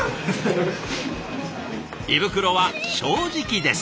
胃袋は正直です。